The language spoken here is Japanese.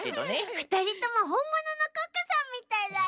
ふたりともほんもののコックさんみたいだよ。